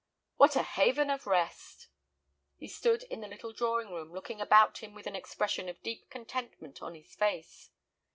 "What a haven of rest!" He stood in the little drawing room, looking about him with an expression of deep contentment on his face.